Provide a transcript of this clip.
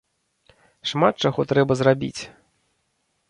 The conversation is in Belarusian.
Шмат чаго трэба зрабіць.